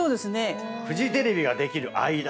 フジテレビができる間。